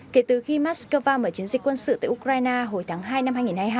kể từ khi moscow mở chiến dịch quân sự tại ukraine hồi tháng hai năm hai nghìn hai mươi hai